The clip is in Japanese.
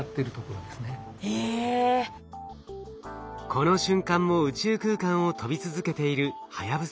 この瞬間も宇宙空間を飛び続けているはやぶさ２。